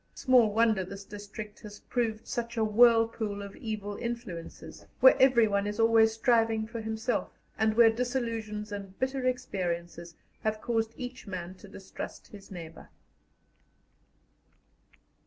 Small wonder this district has proved such a whirlpool of evil influences, where everyone is always striving for himself, and where disillusions and bitter experiences have caused each man to distrust his neighbour.